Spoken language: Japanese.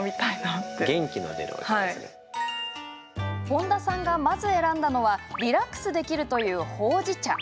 本多さんが、まず選んだのはリラックスできるというほうじ茶。